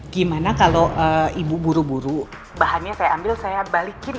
gimana kalau ibu buru bahannya saya ambil saya balikin